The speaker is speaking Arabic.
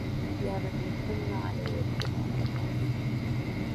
يا من يحن علي فيما يدعي